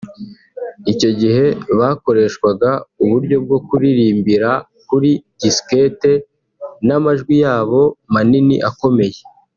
icyo gihe bakoreshwaga uburyo bwo kuririmbira kuri diskette n’amajwi yabo manini akomeye